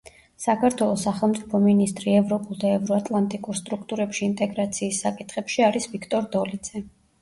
საქართველოს სახელმწიფო მინისტრი ევროპულ და ევროატლანტიკურ სტრუქტურებში ინტეგრაციის საკითხებში არის ვიქტორ დოლიძე.